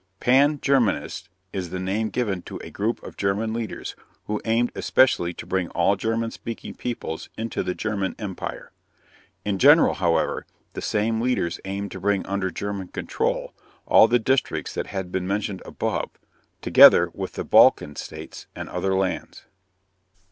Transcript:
"Pan Germanists" is the name given to a group of German leaders who aimed especially to bring all German speaking peoples into the German Empire. In general, however, the same leaders aimed to bring under German control all the districts that have been mentioned above, together with the Balkan states and other lands.